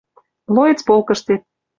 Млоец полкыштет